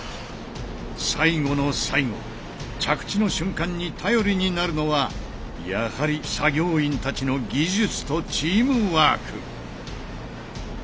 最後の最後着地の瞬間に頼りになるのはやはり作業員たちの技術とチームワーク。